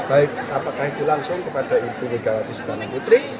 baik apakah itu langsung kepada ibu wigalati subang putri